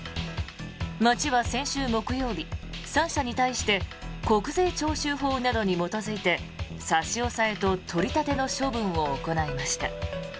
町は先週木曜日３社に対して国税徴収法などに基づいて差し押さえと取り立ての処分を行いました。